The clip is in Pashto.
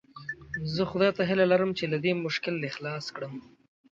زه خدای ته هیله لرم چې له دې ججې دې خلاص کړم.